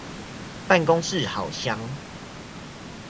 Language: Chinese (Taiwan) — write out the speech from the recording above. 辦公室好香